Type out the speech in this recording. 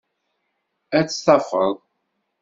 Ad tafeḍ.